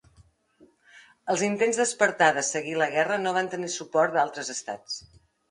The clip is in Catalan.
Els intents d'Esparta de seguir la guerra no van tenir suport d'altres estats.